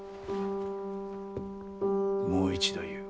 もう一度言う。